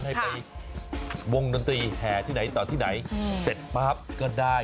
ให้ไปวงดนตรีแห่ต่อที่ไหนเสร็จป๊าบก็ได้